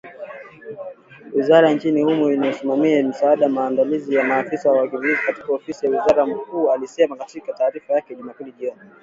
Wizara nchini humo inayosimamia misaada, maandalizi ya maafa na wakimbizi katika Ofisi ya Waziri Mkuu ilisema katika taarifa yake Jumapili jioni.